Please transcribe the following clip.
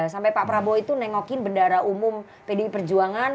sampai pak prabowo itu nengokin bendara umum pdi perjuangan